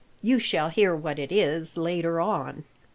You shall hear what it is later on."